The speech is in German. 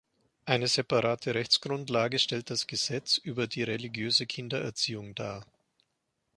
Eine separate Rechtsgrundlage stellt das Gesetz über die religiöse Kindererziehung dar.